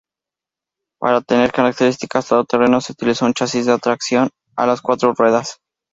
Para tener características todoterreno, se utilizó un chasis de tracción a las cuatro ruedas.